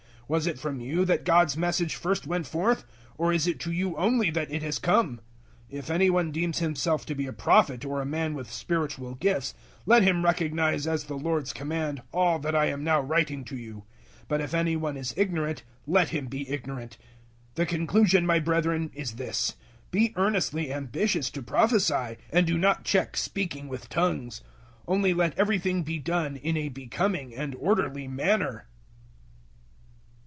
014:036 Was it from you that God's Message first went forth, or is it to you only that it has come? 014:037 If any one deems himself to be a Prophet or a man with spiritual gifts, let him recognize as the Lord's command all that I am now writing to you. 014:038 But if any one is ignorant, let him be ignorant. 014:039 The conclusion, my brethren, is this. Be earnestly ambitious to prophesy, and do not check speaking with tongues; 014:040 only let everything be done in a becoming and orderly manner.